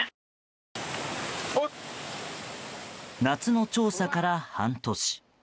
夏の調査から半年。